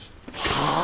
はあ？